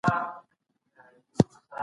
کمپيوټر مالي راپور جوړوي.